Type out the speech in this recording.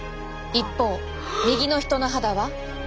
一方右の人の肌は。